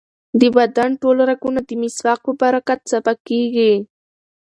د بدن ټول رګونه د مسواک په برکت صفا کېږي.